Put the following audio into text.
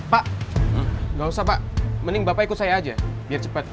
pak gak usah pak mending bapak ikut saya aja biar cepet